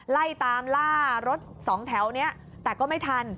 ไล่ตามล่ารถสองแถวนี้แต่ก็ไม่ทัน